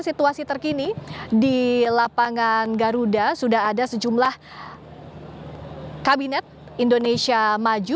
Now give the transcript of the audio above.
situasi terkini di lapangan garuda sudah ada sejumlah kabinet indonesia maju